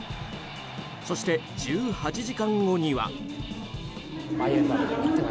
そして、１８時間後には。